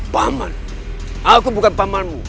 paman aku bukan pamanmu